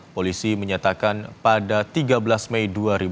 polisi menyatakan pada tiga belas mei dua ribu dua puluh